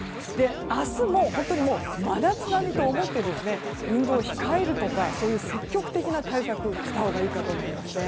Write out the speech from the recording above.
明日も本当に真夏並みと思って運動を控えるとかそういう積極的な対策をしたほうがいいかと思います。